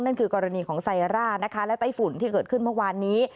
นั่นคือกรณีของไซร่านะคะและไต้ฝุ่นที่เกิดขึ้นเมื่อวานนี้